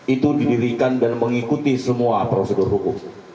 itu didirikan dan mengikuti semua prosedur hukum